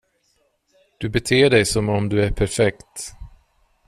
Du beter dig som om du är perfekt.